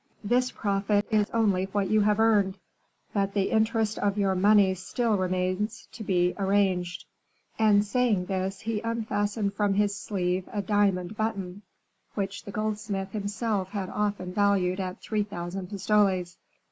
This profit is only what you have earned; but the interest of your money still remains to be arranged." And, saying this, he unfastened from his sleeve a diamond button, which the goldsmith himself had often valued at three thousand pistoles.